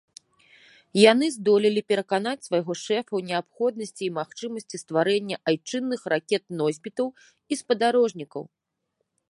Яны здолелі пераканаць свайго шэфа ў неабходнасці і магчымасці стварэння айчынных ракет-носьбітаў і спадарожнікаў.